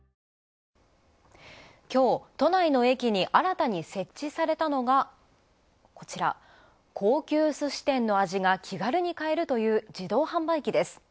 きょう、都内の駅に新たに設置されたのがこちら、高級すし店の味が気軽に買える自動販売機です。